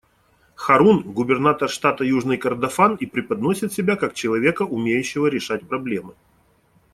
Харун — губернатор штата Южный Кордофан и преподносит себя как человека, умеющего решать проблемы.